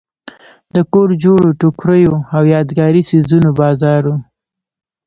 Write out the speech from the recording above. د کور جوړو ټوکریو او یادګاري څیزونو بازار و.